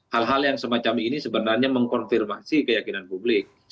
hal hal yang semacam ini sebenarnya mengkonfirmasi keyakinan publik